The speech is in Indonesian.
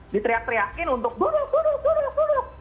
diteriak teriakin untuk bodoh bodoh bodoh bodoh